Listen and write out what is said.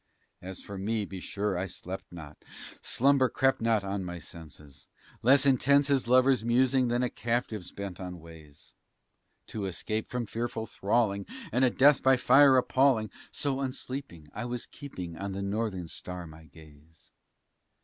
As for me, be sure I slept not: slumber crept not on my senses; Less intense is lover's musing than a captive's bent on ways To escape from fearful thralling, and a death by fire appalling; So, unsleeping, I was keeping on the Northern Star my gaze.